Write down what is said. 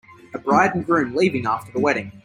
A bride and groom leaving after the wedding.